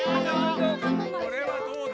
これはどうだ？